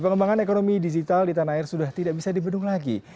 pengembangan ekonomi digital di tanah air sudah tidak bisa dibendung lagi